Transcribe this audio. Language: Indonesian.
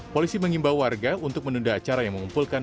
polisi mengimbau warga untuk menunda acara yang mengumpulkan